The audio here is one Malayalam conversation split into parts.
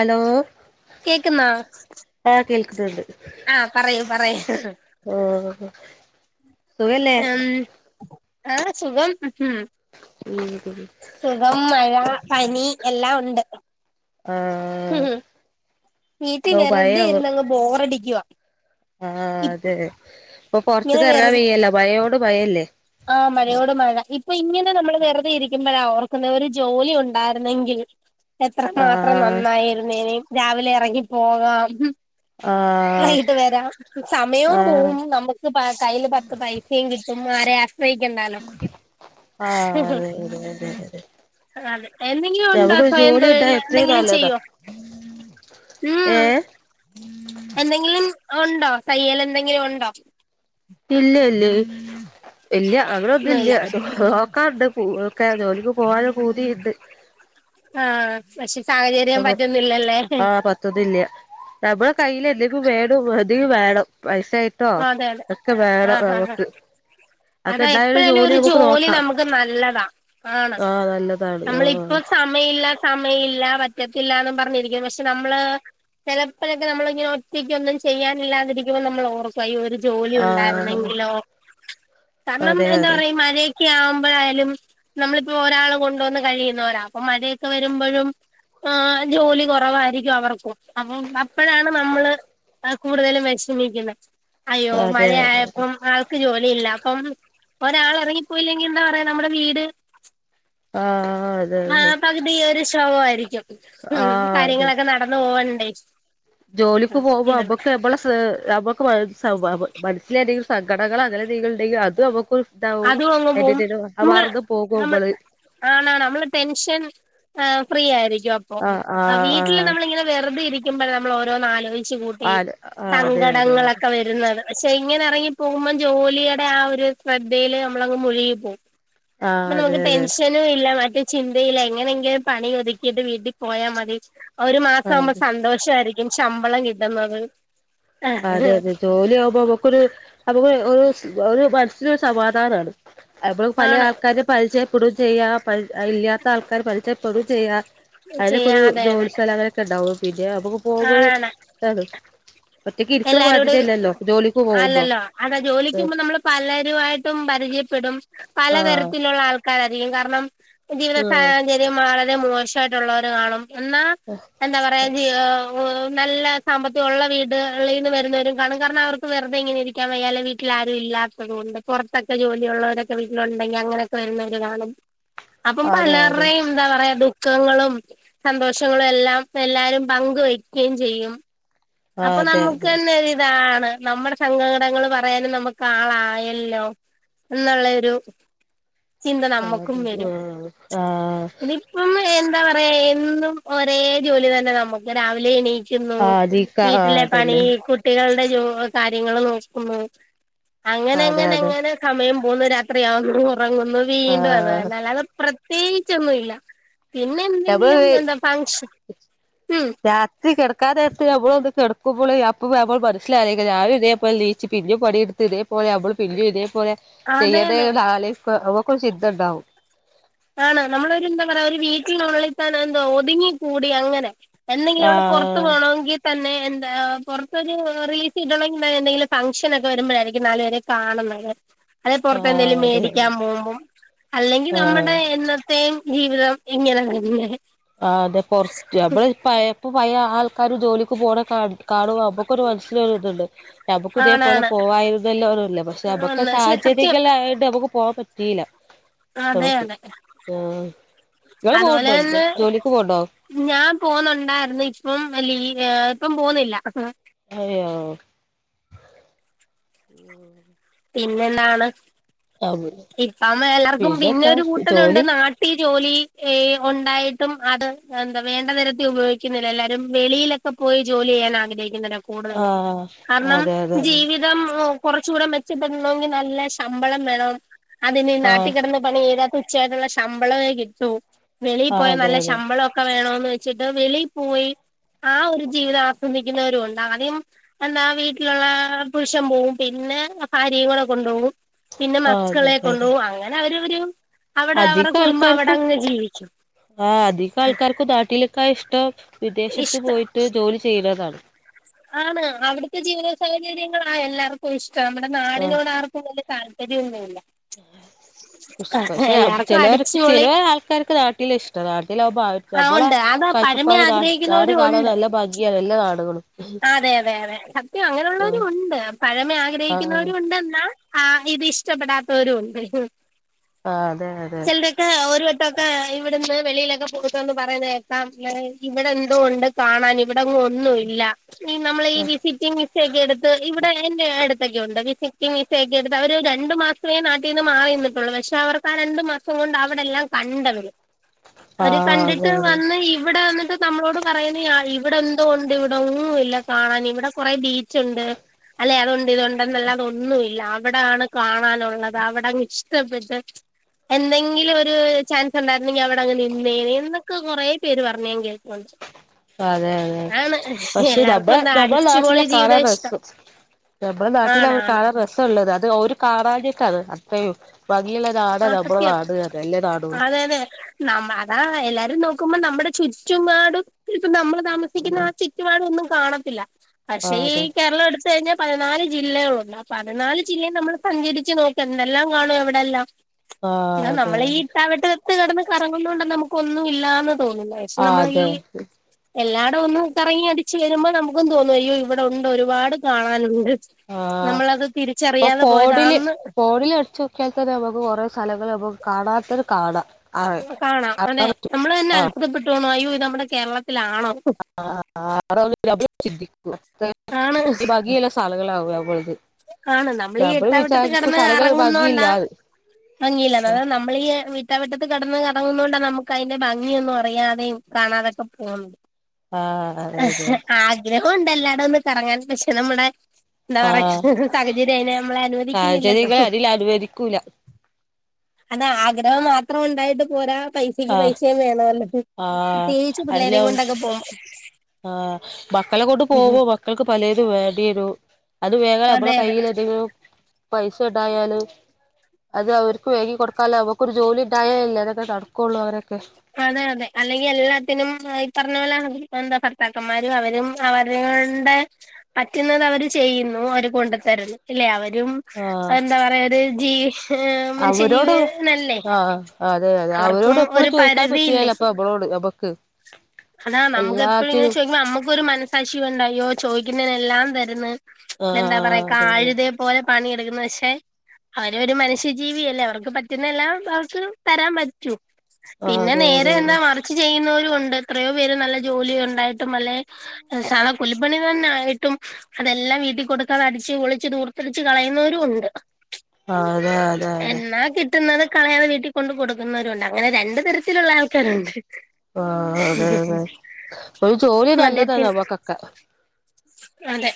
അലോ കേക്കുന്നോ ആ കേൾക്ക്ന്ന്ണ്ട് ആ പറയ് പറയ് ആഹ് സുഖല്ലേ എം ആഹ് സുഖം എഹ്മ് ഉം സുഖം മഴ പനി എല്ലാം ഒണ്ട് ആഹാ വീട്ടീ വെറുതെ ഇരുന്നങ്ങ് ബോറടിക്കുവാ ആഹാ ഇപ്പ അതെ ഇപ്പൊ ഇങ്ങനെ പൊർത്ത്ക്ക് എറങ്ങാൻ വെയ്യല്ലോ മഴയോട് മയല്ലേ ആഹാ മഴയോട് മഴ ഇപ്പൊയിങ്ങനെ നമ്മൾ വെറുതെ ഇരിക്കുമ്പോഴാ ഓർക്കുന്നെ ഒരു ജോലി ഒണ്ടായിരുന്നെങ്കിൽ എത്ര മാത്രം ആഹ് നന്നായിരുന്നേനെ രാവിലെ എറങ്ങി പോകാം ആഹ് വൈയിട്ട് വെരാം സമയവും ആഹ് പോവും നമ്മക്ക് കയ്യില് പത്ത് പൈസയും കിട്ടും ആരേം ആശ്രയിക്കണ്ടാല്ലോ ആഹ് അതെ അതെ അതെ അതെ അതെ എന്തെങ്കി ഒണ്ടോ? ഇപ്പൊ നമുക്കൊരു സ്വയം ജോലി തൊഴില് ഉണ്ടായ എത്രയും എന്തെങ്കിലും നല്ലതാ ചെയ്യോ? മ് ഹ് ഹ് ഏഹ് എന്തെങ്കിലും ഒണ്ടോ തയ്യലെന്തെങ്കിലും ഒണ്ടോ? ഇല്ല ഇല്ലേ ഇല്ല്യ ഒന്നുമില്ല അങ്ങനൊന്നുല്ല്യ നോക്കാണ്ട് പൂ ഒക്കെ ജോലിക്ക് പോവാല്ല പൂതീണ്ട് ആഹാ പക്ഷെ സാഹചര്യം പറ്റ്ന്നില്ലല്ലേ? പത്ത്ന്നില്ല്യ നമ്മള കയ്യിലെന്തെങ്കു വേണു എന്തെങ്കി വേണം പൈസായി അതെ അതെ ഹ ഹ ഹാ അതൊക്കെ അതാ ഉണ്ടായൊരു എപ്പയാലും ഒരു നമുക്ക് ജോലി നോക്കാം നമ്മക്ക് നല്ലതാ ആണ് ആഹ് നല്ലതാണ് നമ്മളിപ്പോ ആഹ് സമ സമയില്ല സമയില്ല പറ്റത്തില്ല പറഞ്ഞിരിക്കും പക്ഷെ നമ്മള് ചെലപ്പയൊക്കെ നമ്മളിങ്ങനെ ഒറ്റയ്ക്ക് ഒന്നും ചെയ്യാനില്ലാതിരിക്കുമ്പോൾ നമ്മളോർക്കും അയ്യോ ഒരു ജോലി ആഹ് ഒണ്ടായിരുന്നെങ്കിലോ കാരണം അതെ എന്താ അതെ പറയ ഈ മഴയൊ ക്കെ ആവുമ്പോഴായാലും നമ്മളിപ്പോ ഒരാള് കൊണ്ടുവന്ന് കഴിയുന്നോരാ അപ്പൊ മഴയൊക്കെ വരുമ്പഴും ആഹാ ജോലി കൊറവായിരിക്കും അവർക്കും അപ്പൊ അപ്പഴാണ് നമ്മള് ആഹ് കൂടുതലും വെഷമിക്കുന്നെ അയ്യോ അതെ മഴ അതെ അതെ ആയപ്പോ ആൾ ക്ക് ജോലിയില്ല അപ്പം ഒരാള് ഇറങ്ങിപ്പോയില്ലെങ്കി എന്താപറിയാ നമ്മടെ വീട് ആഹ് അതെ അതെ ആഹ് പകുതിയൊരു ശോകവായിരിക്കും ആഹ് അതെ കാര്യങ്ങളൊക്കെ നട [unintelligible] ജോലിക്ക് പോകുമ്പോ അമ്മക്ക് അമ്മളെ ഇസ് നമുക്ക് മനസ്സില് മനസ്സിലെന്തെങ്കിലും സങ്കടങ്ങളോ അങ്ങനെന്തേങ്കിലുണ്ടെങ്കി അതും നമുക്കൊരു സമാധാ ന്താവും അതും അങ്ങ് പോവും അയിന്റെടേല് മർന്ന് പോകും അമ്മള് ആണ് ആണ് നമ്മള് ടെൻഷൻ ഫ്രീ ആയിരിക്കും ആഹ് അ വീട്ടില് ആഹ് നമ്മളിങ്ങനെ വെറുതെയിരിക്കുമ്പോഴ നമ്മള് ഓരോന്ന് ആലോയ്ച്ച് കൂട്ടി ആഹ് ആഹ് ആഹ് അതെ അതെ അതെ സങ്കടങ്ങളൊക്കെ വെരു രുന്നത് പക്ഷെ ഇങ്ങനെ എറങ്ങി പോകുമ്പോ ജോലിയുടെ ആ ഒരു ശ്രദ്ധയില് നമ്മളങ്ങ് മൊഴുകി പോകും ആഹ് ഇപ്പോ അതെ നമക്ക് അതെ ടെൻഷൻ ഇല്ല മറ്റേ ചിന്തയില്ല എങ്ങനെങ്കിലും പണി ഒതുക്കിയിട്ട് വീട്ടീ പോയാമതി ഒരു ആ മാസാവുമ്പോ അതെ സന്തോഷായിരിക്കും ശമ്പളം കിട്ടുന്നത് അതെ അതെ ജോലിആവുമ്പോ അമ്മക്കൊരു അമുക്ക് ഒരു ഒരു മനസ്സിനൊരു സമാധാനാണ് അമ്മക്ക് പല ആണ് ആൾക്കാരിം പരിചയപ്പെടും ചെയ്യാ പരി അഹ്ഇല്ലാത്ത ആൾക്കാരെ പരിചയപ്പെടും ചെയ്യാ ചെയ്യാ അതിനൊക്കെരു അതെ അതെ ജോലി സ്ഥലം അങ്ങനൊക്കെണ്ടാവു പിന്നെ അമ്മക്ക് പോകുമ്പോ ഒരു ആണാണ് ഇതാണ് ഒറ്റക്ക് ഇരിക്ണമാതിരി എല്ലാരോടും അല്ലല്ലോ അല്ലല്ലോ? അതാ ജോലിക് പോവുമ്പോ നമ്മള് പലരുവായിട്ടും പരിചയപ്പെടും ആഹ് പലതരത്തിലുള്ള ആൾക്കാര് രായിരിക്കും കാരണം ജീവിത ആഹ് സാഹചര്യം വളരെ മോശയിട്ടുള്ളവര് കാണും എന്നാ ഓഹ് എന്താ പറയാ ജീവി ഓ നല്ല സാമ്പത്തിക ഒള്ള വീടുകളീന്ന് വരുന്നവരും കാണും കാരണം അവർക്ക് വെറുതെങ്ങനെ ഇരിക്കാൻ വയ്യാ വീ വീട്ടിലാരും ഇല്ലാത്തത് കൊണ്ട് പൊറത്തൊക്കെ ജോലി ഒള്ളവരൊക്കെ വീട്ടിലൊണ്ടെങ്കി അങ്ങനെക്കെ വരുന്നോര് കാണും അപ്പം അതെ അതെ പലർറെം എന്താ പറയാ ദുഃഖങ്ങളും സന്തോഷങ്ങളും എല്ലാം എല്ലാരും പങ്ക് വെയ്ക്ക്യെം ചെയ്യും ആ അപ്പൊ അതെ അതെ നമുക്കന്നെ ഒര്താണ് നമ്മടെ സങ്കാടങ്ങൾ പറയാനും നമുക്ക് ആളായല്ലോ എന്നൊള്ളെയൊരു ചിന്ത ആ നമ്മക്കും അതെ വരും ആഹ് ആഹ് ഇനി [unintelligible] എന്താ പറയാ എന്നും ഒരേ ജോലി തന്നെ നമ്മക്ക് രാവിലെ എണീക്കുന്നു ആഹ് വീട്ടിലെ പണി അതന്നെ കു കുട്ടികളുടെ ജോ കാര്യങ്ങള് നോക്കുന്നു അതെ അതെ അങ്ങനങ്ങനങ്ങനെ സമയം പോന്നു രാത്രിയാവുന്നു ഒറങ്ങുന്നു വീണ്ടും അത് ആഹ് തന്നെ അല്ലാതെ പ്ര ത്യേകിച്ച് ഒന്നുല്ല പിന്നെ എന്തെങ്കിലും നമ്മള് എന്താ ഫങ്ഷൻ ഉം ത്രി കെടക്കാ നേരത്ത് നമ്മളൊന്ന് കെടക്കുമ്പള് അപ്പോ ഞമ്മള് മനസ്സിലാലോയിക്കു രാവിലെ തേപോലെ നീച്ച് പിന്നെം പണിഎടുത് പോലെ അമ്മള് പിന്നിം ഇതേപോലെ അതെ അതെ ചെയ്യണ്ടേന്ന് ആലോയ്ക്കു അമ്മക്കൊര് ചിന്തണ്ടാവും ആണ് നമ്മളൊരുന്താ പറയാ ഒരു വീട്ടിനുള്ളിത്തന്നെ എന്തോ ഒതുങ്ങിക്കൂടി അങ്ങനെ എന്നെങ്കിലുവമ്മള് പൊറത്തു ആഹ് പോണോങ്കി തന്നെ എന്താ പൊറത്തൊരു റീച്ച് കിട്ടണെങ്കില് എന്തങ്കിലും ഫംഗ്ഷനക്കെ വരുമ്പഴായിരിക്കും നാല് പേരെ കാണുന്നത്. അല്ലെ ആഹ് പൊറത്തെന്തെലും അതെ അതെ മേടിക്കാൻ പോവുമ്പം അല്ലെങ്കിൽ നമ്മ ആഹ് എന്നത്തെം ജീവിതം ഇങ്ങനെ തന്നെ ആ അതെ പൊറ നമ്മള് പയെ ഇപ്പ പല ആൾക്കാര് ജോലിക്ക് പോണ കാണുമ്പോ അമ്മക്കൊരു മനസ്സിലൊരു ത്ണ്ട് ഞമ്മൾക്കും ഇതേപോലെ ആണാണ് പോവായിരുന്നല്ലോന്നുള്ള പക്ഷെ നമ്മക്ക് പക്ഷെ സത്യം സാഹചര്യങ്ങൾ ആയോണ്ട് പോവാൻ പറ്റീല്ല അതെ അതൊണ്ട് അതെ ആ ഇങ്ങള് അതുപോലെ പോവ്ണ്ടോ എന്തോ തന്നെ ജോലിക്ക് പോവ്ണ്ടോ ഞാൻ പോന്നൊണ്ടാര്ന്നു ഇപ്പം ലീ ഇപ്പം പോന്നില്ല അതെയൊ പിന്നെന്താണ് ഇപ്പം എല്ലാർക്കും പിന്നെ പിന്നെന്താ ഒരു കൂട്ടരൊണ്ട് ജോലി നാട്ട ട്ടിജോലി ഒണ്ടായിട്ടും അത് എന്താ വേണ്ട തരത്തി ഉപോയിക്കുന്നില്ല എല്ലാരും വെളിയില ക്ക പോയി ജോലി ചെയ്യാൻ ആഗ്രഹിക്കുന്നവരാ കൂടുതലും ആഹ് കാരണം അതെ അതെ ജീവിത തം കൊറച്ചൂടെ മെച്ചപ്പെടണോങ്കി നല്ല ശമ്പളം വേണം അതിന് നാട്ടി ആഹ് കിടന്ന് പണിയെയ്താ തുച്ഛവായിട്ടൊള്ള ശമ്പളവേ കിട്ടൂ വെളിയി ആഹ് പോയാ അതെ നല്ല അതെ ശമ്പളം ക്ക വേണോന്ന് വെച്ചിട്ട് വെളി പോയി ആ ഒരു ജീവിതം ആസ്വദിക്കുന്നവരു ഒണ്ട് ആദ്യം എന്താ ആ വീട്ടിലൊള്ള പുരുഷൻ പോവും പിന്നെ ഭാര്യേം കൂടെ കൊണ്ടോവും പിന്നെ ആഹ് അതെ മക്കളെ അതെ അതെ കൊണ്ടോവും അങ്ങനെ അവരൂവരു അവിടെ അവറെ കുടുംബം അവിടങ്ങ് ജീവിക്കും ആ അധികം ആൾക്കാർക്കും നാട്ടിലേക്കാ ഇഷ്ടം വിദേശത്ത് ഇഷ്ടം പോയിട്ട് ജോലി ചെയ്യലാണ് ആണ്. അവിടുത്തെ ജീവിത സാഹചര്യങ്ങളാ എല്ലാർക്കും ഇഷ്ടം നമ്മടെ ആഹ് നാടിനോട് ആർക്കും വല്ല്യ താല്പര്യൊന്നുല്ല പക്ഷെ ചെലോര്ക്ക് അടിച്ചുപൊളി ചെല ആൾക്കാര്ക്ക് നാട്ടീലിഷ്ട നാട്ടിലാവുമ്പോ ആ ഞമ്മള ഉണ്ട് അത് പഴമ കാഴ്ചപ്പാട് നാട് ആഗ്രഹിക്കുന്നവരും കാണാ നല്ല ഭഗിയാ നല്ല നാട് അതെയതെയതെ സത്യം അങ്ങനെയുള്ളവരു ആഹ് ഒണ്ട് പഴമ ആഹ് ആഗ്രഹിക്കുന്നവരും ഒണ്ടെന്നാ ആ ഇത് ഇഷ്ടപ്പെടാത്തവരു ഒണ്ട് ആ അതെയതെ ട്ട്ട്ടൊക്കെ ഇവിടുന്ന് വെളീലൊക്കെ [unintelligible] പറയുന്നേക്കാം ഇവിടെ എന്തോണ്ട് കാണാന് ഇവിടെങ്ങും ഒന്നുവില്ല ഈ നമ്മളീ വിസിറ്റിംഗ് സെക്കെടുത്ത് ഇവിടെ എന്റെ അടുത്തൊക്കെ ഉണ്ട് വിസിറ്റിംഗ് വിസെക്കെടുത്ത് അവര് രണ്ടു മാസം സവെ നാട്ടീന്ന് മാറിന്നിട്ടുള്ളു പക്ഷെ അവർക്ക് ആ രണ്ടു മാസം കൊണ്ട് അവിടെല്ലാം കണ്ടവര് അത് ആഹ് അതെ കണ്ടിട്ട് അതെ വന്ന് ഇവിടെ വന്നിട്ട് നമ്മളോട് പറയുന്നെയാ ഇവിടെന്തോ ഉണ്ട് ഇവിടൊന്നുവില്ല കാണാൻ ഇവിടെ കൊറെ ബീച്ചൊണ്ട് അല്ലെ അതൊണ്ട് ഇതൊണ്ടെന്നല്ലാതെ ഒന്നുവില്ല അവിടാണ് കാണാനൊള്ളത് അവിടങ്ങ് ഇഷ്ടപ്പെട്ട് എന്തെങ്കിലും ഒരു ചാൻസ് ഉണ്ടായിരുന്നെങ്കിൽ അവിടെ അങ്ങനെ നിന്നേന എന്നൊക്കെ കുറെ പേര് പറഞ്ഞ ഞാൻ കേൾക്കണ്ട് അതെ അതെ പക്ഷെ നമ്മ എല്ലാർക്കും എന്താ നമ്മളെ നാട്ടിലെ അടിച്ചുപൊളി കാണാൻ ജീവിതം ഇഷ്ടം രസം നമ്മള് നാട്ടിലാവുമ്പോ ആണാണ് കാണാൻ രസ ഉള്ളത് അത് ഒരു കാണാഞിട്ടാണ് അത്രയും ഭംഗിയുള്ളനാട ആ നമ്മടെ സത്യം നാട് അതല്ല നാട അതെ അതെ നമ്മ അതാ എല്ലാരും നോക്കുമ്പോ നമ്മുടെ ചുറ്റുമാടും ഇപ്പ നമ്മള് താമസിക്കുന്ന ചിറ്റുപാടൊ ഒന്നും കാണത്തില്ല ആ പക്ഷേ ഈ അതെ കേരളം എടുത്തഴിഞ്ഞാൽ പതിനാല് ജില്ലകളുണ്ട് പതിനാല് ജില്ലെയ് നമ്മൾ സഞ്ചരിച്ച് നോക്ക എന്തെല്ലാം കാണും എവിടെയെല്ലാം ആ ഇന്നാ അതെ നമ്മള ഈ ഇട്ടാവട്ട ഇത്ത് കടന്ന് കറങ്ങുന്ന കൊണ്ട് നമുക്കൊന്നും ഇല്ലാന്ന് തോന്നില്ല പക്ഷെ ആ നമ്മൾ ഈ അതെ എല്ലാട ഒന്ന് കറങ്ങി അടിച്ച് വരുമ്പോൾ നമുക്കും തോന്നും അയ്യോ ഇവിടെ ഉണ്ട് ഒരുപാട് കാണാനുണ്ട് ആഹ് നമ്മളത് ഇപ്പൊ തിരിച്ചറിയാതെ ഫോടില് പോയതാന്ന് ഫേടില് അടിച്ചോ ഒരിക്കൽ തന്നെ നമുക്ക് കൊറെ സ്ഥലങ്ങൾ നമ്ക്ക് കാണാത്തെ കാണാം ആ കാണാം അതെ കാണാൻ പറ്റും നമ്മള് തന്നെ ആ അത്ഭുതപ്പെട്ടോണു അയ്യോ ഇ നമ്മുടെ കേരളത്തിലാണോ? ആഹ് [unintelligible] ആണ് [unintelligible] ബകിയെല്ല സാലകാവ ഞമ്മളത് ആണ് നമ്മളി ഈ ഇട്ടാ വട്ടത്ത് കിടന്ന് സ്ഥലങ്ങൾ കറങ്ങുന്നോണ്ടാ ഭംഗിയില്ലാന്ന് ഭംഗിയില്ല ആ എന്ന നമ്മളീ ഇട്ടാ വട്ടത്ത് കടന്ന് കറങ്ങുന്ന കൊണ്ടാ നമുക്ക് അതിന്റെ ഭംഗിയൊന്നും അറിയാതെയും കാണാതൊക്കെ പോകുന്നത് ആഹ് അതെ അതെ ഹ് ആഗ്രഹം ഉണ്ട് എല്ലാട ഒന്ന് കറങ്ങാൻ പക്ഷെ നമ്മുടെ എന്താ പറയാ ആഹ് സാഹചര്യം അയന്‌ നമ്മളെ അനുവദിക്കുന്നില്ലല്ലോ സാഹചര്യങ്ങളെ അതിൽ അനുവദിക്കൂല അത ആഗ്രഹം മാത്രം ഉണ്ടായിട്ട് പോരാ പൈസ എക്ക് ആഹ് പൈസയം വേണം അല്ലേ ആഹ് പ്രത്യേകിച്ച് അല്ല പിള്ളേരെയും കൊണ്ടൊക്കെ പോ ആഹ് മക്കളെ കൊണ്ട് പോകും മക്കൾക്ക് പലോതും വേണ്ടിവരും അത് വാങ്ങാൻ നമ്മളെ അതെ അതെ കയ്യിലെ എന്തെങ്കിലും പൈസ ഉണ്ടായാല് അത് അവർക്ക് വേഗി കൊടുക്കാലേ അവക്കൊരു ജോലി ഉണ്ടായാലല്ലേ അതൊക്കെ നടക്കുകയുള്ളൂ അവരെയൊക്കെ അതെ അതെ അല്ലെങ്കിൽ എല്ലാത്തിനും ഈ പറഞ്ഞ പോലെ എന്താ ഭർത്താക്കന്മാരും അവരും അവരെ കൊണ്ട് പറ്റുന്നത് അവര് ചെയ്യുന്നു അവര് കൊണ്ടു തരുന്നു ഇല്ലേ അവരും ആഹ് എന്താ പറയാ ഒരു ജീവി ഏഹ് അവരോട് മനുഷ്യജീവി നല്ലേ ആഹ് അതെ അതെ അവരോട് എപ്പോഴും ചോദ ക്കാർ പരിധിയില്ലേ പറ്റല്ല അപ്പൊ നമ്മളോട് നമുക്ക് എല്ലാറ്റിനും നമ്മുക്ക ഒരു മനസാശിയ ഉണ്ടായോ ചോദിക്കുന്നതിന എല്ലാം തരുന്ന് എന്താ പറയാ ആഹ് അതെ അതെ കഴുത പോലെ പണി എടുക്കുന്നു പക്ഷെ അവര് ഒരു മനുഷ്യജീവിയല്ലേ അവർക്ക് പറ്റുന്ന എല്ലാം അവർക്ക് തരാൻ പറ്റൂ ആഹ് പിന്നെ അതെ നേരെ അതെ എന്താ അതെ മറിച്ച് ചെയ്യുന്നവരുും ഉണ്ട് എത്രയോ പേര് നല്ല ജോലി ഉണ്ടായിട്ടും അല്ലെ സാദാ കൂലിപ്പണി തന്നൊയിട്ടും അതെല്ലാം വീട്ടിൽ കൊടുക്കാതൻ അടിച്ച് പെളിച്ച് തൂർത്തടിച്ച് കളയുന്നവരും ഉണ്ട് ആഹ് അതെ അതെ അതെ എന്നാ കിട്ടുന്നത് കളയതെ വീട്ടിൽ കൊണ്ട് കൊടുക്കുന്നവരും ഉണ്ട് അങ്ങനെ രണ്ട് തരത്തിലുള്ള ആൾക്കാരുണ്ട് ആഹ് അതെ അതെ ഒരു ജോലി നല്ലതാണ് മദ്യത്തിൻ ഞമ്മക്കൊക്കെ അതെ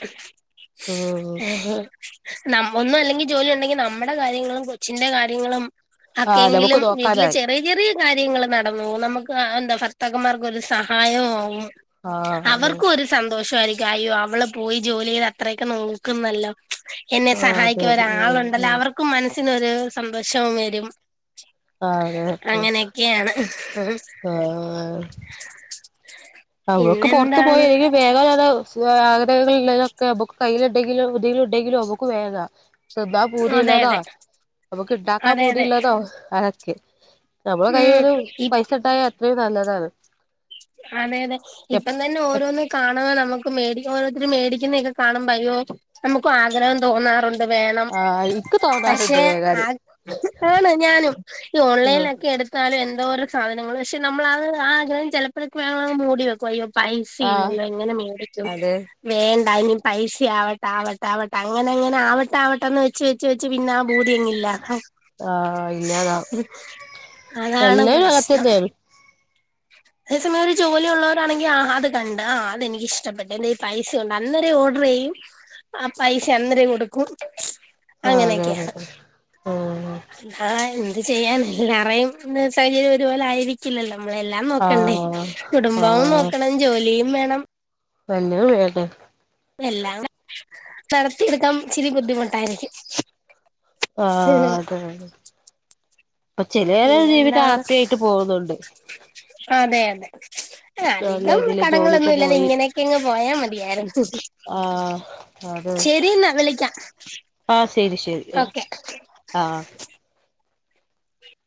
ഉം ഏഹ് ഒന്നും അല്ലെങ്കിൽ ജോലി ഉണ്ടെങ്കിൽ നമ്മുടെ കാര്യങ്ങളും കൊച്ചിന്റെ കാര്യങ്ങളും ആഹ് നമുക്ക് ഒക്കെങ്കിലും വീട്ടില് നോക്കാനായി ചെ ചെറിയ കാര്യങ്ങൾ നടന്ന പോകുംനമുക്ക് എന്താ ഭർത്തകന്മാർക്ക് ഒരു സഹായവും ആവും ആഹ് അതെ അവർക്കും ഒരു സന്തോഷമായിരിക്കും അയ്യോ അവള് പോയി ജോലി ചെയ്ത് അത്രയൊക്കെ നോക്കുന്നല്ലോ എന്നെ ആഹ് സഹായിക്ക അതെ ഉം ഒരാളുണ്ടല്ലോ ഉം അവർക്കും മനസ്സിനൊരു സന്തോഷവും വരും ആതെ ഒക്ക ഒക്കെയാണ് ആഹ് ഒക്കെ പുറത്ത് പിന്നെന്താണ് പോയല്ലെ വേഗ ആഗ്രഹൊക്കെ നുക്ക് കയ്യിലുണ്ടെങ്കിലും ഒതി ഉണ്ടെങ്കിലും അമുക്ക് വേഗ തിന്നാൻ അതെ പൂതിള്ളതാ അതെ നമക്ക് ഇ ഉണ്ടാക്കാൻ അതെ അതെ പൂതിള്ളതോ അതക്കെ നമ്മള കൈ ഉം ഒരു ഇ പൈസ ഇട്ടായൽ അത്രയും നല്ലതാണ് അതെ അതെ എപ് ഇപ്പം തന്നെ എപ് ഓരോന്ന്ും കാണ്പ നമുക്ക് ഓരോരുത്തരും മേടിക്കുന്നതൊക്കെ കാണുമ്പ അയ്യോ നമുക്ക ആഗ്രഹം തോന്നാറുണ്ട് വേണം ആഹ് ഇക്ക് തോന്നാറുണ്ട് പക്ഷെ ആ വേഗാന് ആണ് ഞാനും ഈ ഓൺലൈനിലൊക്കെ എടുത്ത് എന്നാലും എന്തോരോ സാധനങ്ങൾ പക്ഷെ നമ്മൾ അത് ആഗ്രഹം ചിലപ്പൾ മൂടി വെക്കും അയ്യോ പൈസി ആഹ് ഇല്ലല്ലോ എങ്ങനെ മേടിക്കും അതെ വേണ്ട ഇനി പൈസ ആവട്ടെ ആവട്ടെ ആവട്ടെ അങ്ങനെ അങ്ങനെ ആവട്ട ആവട്ടന്ന് വെച്ച് വെച്ചച്ച് പിന്നെ ആ ഭൂതി എങ്ങല്ലാതാവും ആഹ് ഇല്ലാതാവും അതാണ് എല്ലാരും പ്രശ്നം അങ്ങൻതന്നേണ് അതേസമയം ഒരു ജോലി ഉള്ളവരാണങ്കിൽ ആ അത് കണ്ട് ആ് അതെനിക്ക് ഇഷ്ടപ്പെട്ട എന്തഈ പൈസ പൈസണ്ട് അന്നേര ഓർഡർ ചെയ്യും ആ പൈസ അന്നേരം കൊടുക്കും അതെ അങ്ങനെയൊക്കെയാ അതെ ആഹ് ആ എന്ത് ചെയ്യാാന എല്ലാറയും സൗഹര്യം ഒരുപോലെ ആയിരിക്കില്ലല്ലോ നമ്മളെ എല്ലാം നോക്കണ്ടേ ആഹ് കുടുംബവും നോക്കണം ജോലിയും വേണം വല്ല വേണ്ടെ എല്ലാം നടത്തിയെടുക്കൻച്ചിരി ബുദ്ധിമുട്ടായിരിക്കും ആ അതെതെ അപ്പൊ ചിലരെ ജീവിത പിന്നെന്താണ് ഹാപ്പിയിട്ട് പോകുന്നുണ്ട് അതെ അതെ നല്ല അധികം ഇതില് ജോലിക്ക് കടങ്ങളൊന്നുല്ലാതെ പോയി ഇങ്ങനെയൊക്കെ ഇങ്ങ് പോയാ മതിയാരുന്നു ആഹ് അതെ വിളിക്കാം ആഹ് ശരി ശരി ഓക്കെ ആഹ്